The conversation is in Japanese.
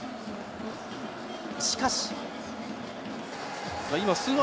しかし。